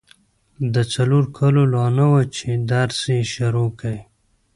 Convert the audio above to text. د څلورو کالو لا نه وه چي درس يې شروع کی.